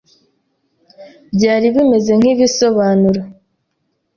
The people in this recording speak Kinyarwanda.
—Byari bimeze nkibisobanuro